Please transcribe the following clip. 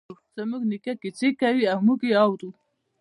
زموږ نیکه کیسې کوی او موږ یی اورو